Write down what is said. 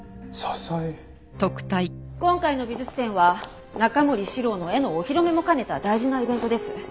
今回の美術展は中森司郎の絵のお披露目も兼ねた大事なイベントです。